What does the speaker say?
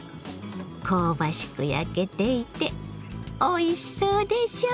香ばしく焼けていておいしそうでしょ！